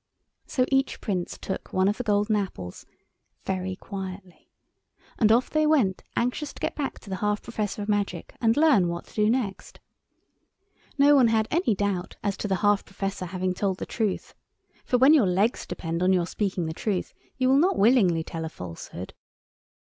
So each Prince took one of the golden apples, very quietly, and off they went, anxious to get back to the half Professor of Magic, and learn what to do next. No one had any doubt as to the half Professor having told the truth; for when your legs depend on your speaking the truth you will not willingly tell a falsehood.